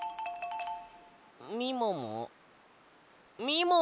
みもも？